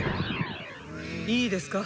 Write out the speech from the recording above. いいですか。